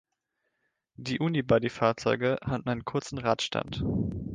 Die Unibody-Fahrzeuge hatten einen kurzen Radstand.